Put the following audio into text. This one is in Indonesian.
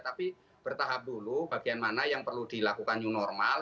tapi bertahap dulu bagian mana yang perlu dilakukan new normal